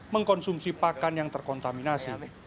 mengkonsumsi pakan yang terkontaminasi